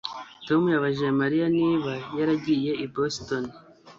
Tom yabajije Mariya niba yaragiye i Boston